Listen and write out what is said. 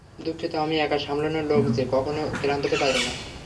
দুঃখিত, আমি একা সামলানোর লোক যে কখনোই ক্লান্ত হতে পারে না।